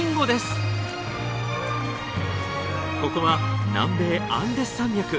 ここは南米アンデス山脈。